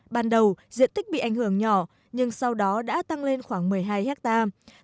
ban đầu diện tích bị ảnh hưởng nhỏ nhưng sau đó đã tăng lên khoảng một mươi hai hectare